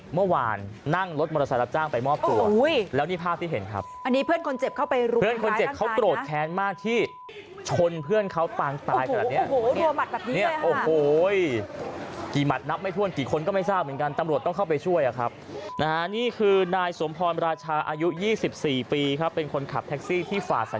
เมื่อหวันนั่งรถมอเตอร์ไซส์รับจ้างไปมอบประตู